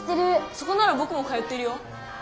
そこならぼくも通ってるよ。